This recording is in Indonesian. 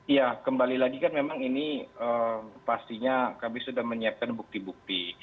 ya kembali lagi kan memang ini pastinya kami sudah menyiapkan bukti bukti